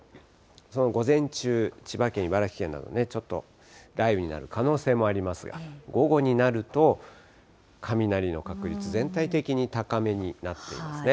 その午前中、千葉県、茨城県など、ちょっと雷雨になる可能性もありますが、午後になると、雷の確率、全体的に高めになっていますね。